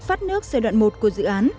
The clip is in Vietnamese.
phát nước giai đoạn một của dự án